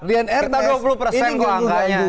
kita dua puluh persen kok angkanya